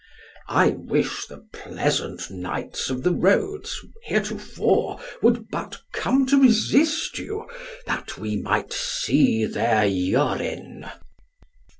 I wish the pleasant Knights of the Rhodes heretofore would but come to resist you, that we might see their urine.